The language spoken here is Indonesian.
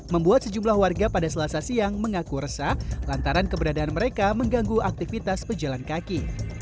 membuat sejumlah warga pada selasa siang mengaku resah lantaran keberadaan mereka mengganggu aktivitas pejalan kaki